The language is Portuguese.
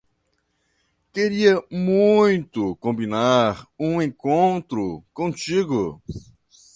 Queria muito combinar um encontro contigo.